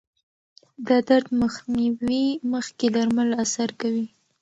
د درد مخنیوي مخکې درمل اثر کوي.